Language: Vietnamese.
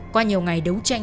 qua nhiều ngày đấu tranh